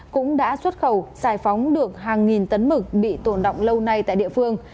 cũng đã xuất khẩu giải phóng được hàng nghìn tấn mực bị tổn động lâu nay tại địa phương